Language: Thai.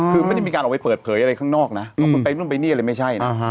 คือไม่ได้มีการออกไปเปิดเผยอะไรข้างนอกนะว่าคุณไปนู่นไปนี่อะไรไม่ใช่นะ